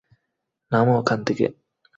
নামো ওখান থেকে!